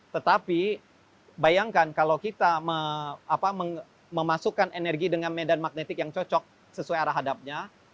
tetapi bayangkan kalau kita memasukkan energi dengan medan magnetik yang cocok sesuai arah hadapnya